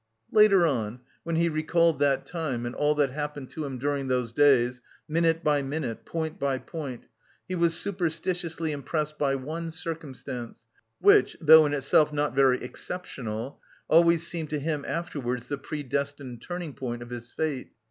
Later on, when he recalled that time and all that happened to him during those days, minute by minute, point by point, he was superstitiously impressed by one circumstance, which, though in itself not very exceptional, always seemed to him afterwards the predestined turning point of his fate.